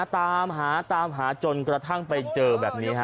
ตามหาตามหาจนกระทั่งไปเจอแบบนี้ฮะ